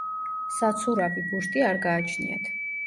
საცურავი ბუშტი არ გააჩნიათ.